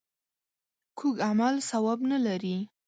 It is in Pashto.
کوږ عمل ثواب نه لري